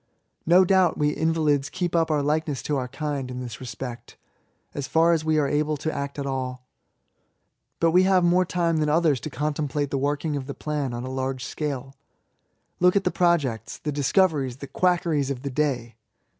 No doubt we invalids keep up our likeness to our kind, in this respect, as far as we axe able to act at all; but we have more time than others to contemplate the working of the plan on a large scale« Look at the projects, the dis^ coveries, the quackeries of the day